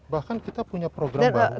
bahkan kita punya program baru